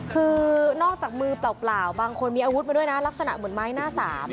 คือนอกจากมือเปล่าบางคนมีอาวุธมาด้วยนะลักษณะเหมือนไม้หน้าสาม